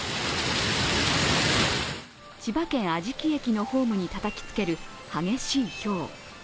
千葉県・安食駅のホームにたたきつける激しいひょう。